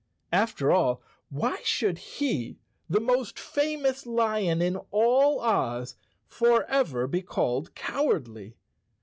After all, why should be, the most famous lion in all Oz, forever be called cow¬ ardly?